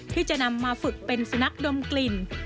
ที่จะนำมาฝึกเป็นสุนัขดมกลิ่น